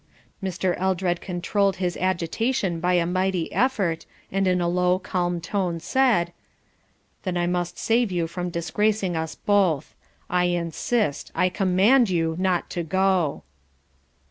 Mr. Eldred controlled his agitation by a mighty effort, and in a low, calm tone said: "Then I must save you from disgracing us both. I insist, I command you not to go."